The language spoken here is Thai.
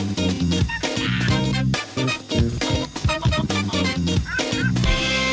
สวัสดีค่ะสวัสดีค่ะสวัสดีครับ